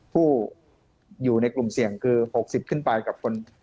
ผู้อยู่ในกลุ่มเสี่ยงคือ๖๐ขึ้นไปกับคน